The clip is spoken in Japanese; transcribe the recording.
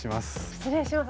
失礼します。